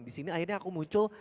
disini akhirnya aku muncul